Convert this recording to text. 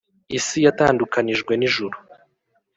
isi yatandukanijwe n’ijuru